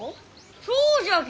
そうじゃき！